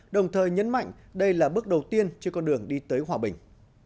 đồng thời nhấn mạnh đây là bước đầu tiên trên con đường đi tới hòa bình